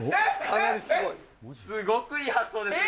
すごくいい発想ですね。